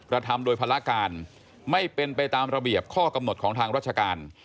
ทำโดยภารการไม่เป็นไปตามระเบียบข้อกำหนดของทางราชการ